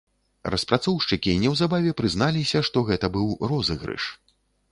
Распрацоўшчыкі неўзабаве прызналіся, што гэта быў розыгрыш.